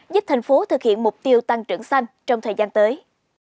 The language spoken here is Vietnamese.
giúp thành phố thực hiện mục tiêu tăng trưởng xanh trong thời gian tới